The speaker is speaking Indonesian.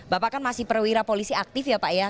bapak kan masih perwira polisi aktif ya pak ya